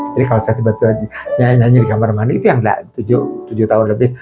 jadi kalau saya kebetulan nyanyi di kamar mandi itu yang udah tujuh tahun lebih